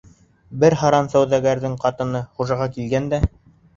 Бер һаран сауҙагәрҙең ҡатыны Хужаға килгән дә: